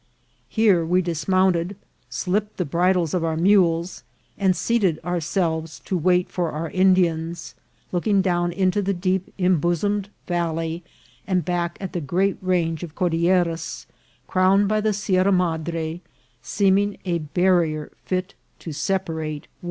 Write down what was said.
Here we dismounted, slipped the bridles of our mules, and seated ourselves to wait for our Indians, looking down into the deep im bosomed valley, and back at the great range of Cordil leras, crowned by the Sierra Madre, seeming a barrier fit to separate worlds.